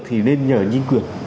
thì nên nhờ nhiên quyền